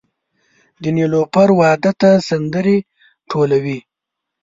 د نیلوفر واده ته سندرې ټولوي